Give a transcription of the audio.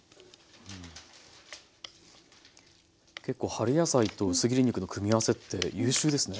結構春野菜と薄切り肉の組み合わせって優秀ですね。